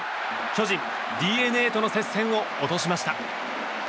巨人、ＤｅＮＡとの接戦を落としました。